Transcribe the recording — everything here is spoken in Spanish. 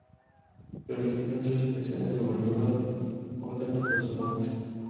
Reelegido en tres ocasiones, gobernó la Orden hasta su muerte.